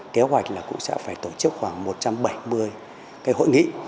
kế hoạch là cũng sẽ phải tổ chức khoảng một trăm bảy mươi cái hội nghị